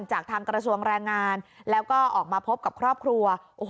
จากทางกระทรวงแรงงานแล้วก็ออกมาพบกับครอบครัว